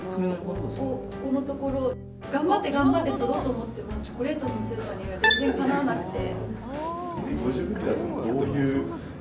ここのところ頑張って取ろうと思ってもチョコレートの強さには全然かなわなくて。